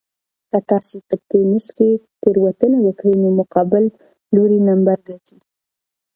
که تاسي په تېنس کې تېروتنه وکړئ نو مقابل لوری نمبر ګټي.